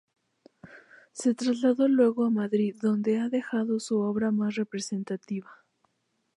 Se trasladó luego a Madrid donde ha dejado su obra más representativa.